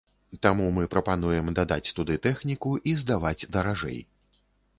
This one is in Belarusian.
Таму мы прапануем дадаць туды тэхніку і здаваць даражэй.